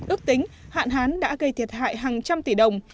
ước tính hạn hán đã gây thiệt hại hàng trăm tỷ đồng